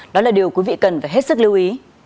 đó là điều quý vị cần phải hết sức lưu ý